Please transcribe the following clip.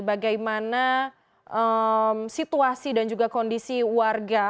bagaimana situasi dan juga kondisi warga